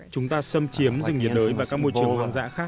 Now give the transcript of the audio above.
chúng ta xâm chiếm rừng nhiệt đới và các môi trường hoang dã khác